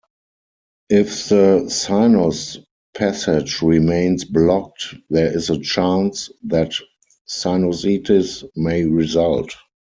If the sinus passage remains blocked, there is a chance that sinusitis may result.